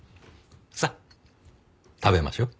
さあ食べましょう。